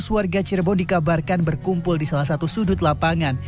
sekitar tiga ratus warga cirebon dikabarkan berkumpul di salah satu sudut lapangan